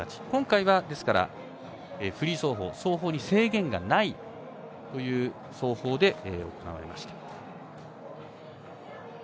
今回はフリー走法走法に制限がないという走法で行われました。